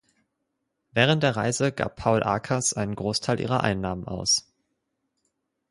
Während der Reise gab Paul Akers einen Großteil ihrer Einnahmen aus.